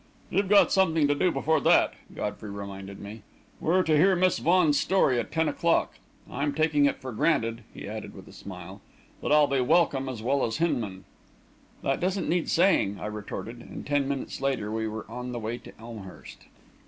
"You've got something to do before that," Godfrey reminded me. "We're to hear Miss Vaughan's story at ten o'clock. I'm taking it for granted," he added, with a smile, "that I'll be welcome, as well as Hinman." "That doesn't need saying," I retorted, and ten minutes later, we were on the way to Elmhurst.